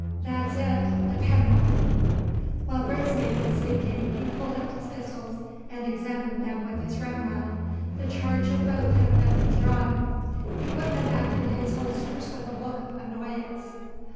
That's it, depend on it." While Brinsmead was speaking, he pulled out his pistols and examined them with his ramrod. The charge of both had been withdrawn. He put them back into his holsters with a look of annoyance.